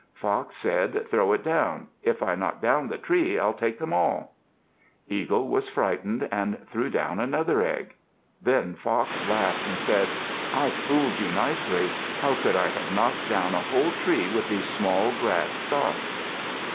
Fox said, "Throw it down. If I knock down the tree, I'll take them all." Eagle was frightened and threw down another egg. Then Fox laughed and said, "I fooled you nicely. How could I have knocked down a whole tree with these small grass stalks?"